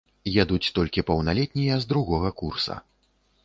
Едуць толькі паўналетнія, з другога курса.